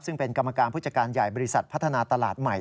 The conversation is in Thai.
ซึ่งเป็นกรรมการผู้จัดการใหญ่บริษัทพัฒนาตลาดใหม่